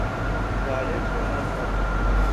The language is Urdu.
غالب کو نہ تھا۔